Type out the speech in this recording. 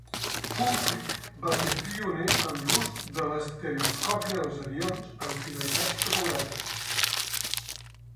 Pulfrich va ser pioner en l'ús de l'estereoscòpia dels avions amb finalitats topogràfiques.